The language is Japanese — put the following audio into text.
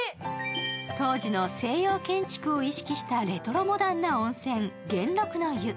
当時の西洋建築を意識したレトロモダンな温泉、元禄の湯。